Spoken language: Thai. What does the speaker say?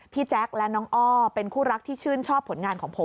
แจ๊คและน้องอ้อเป็นคู่รักที่ชื่นชอบผลงานของผม